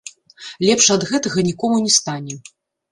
Лепш ад гэтага нікому не стане.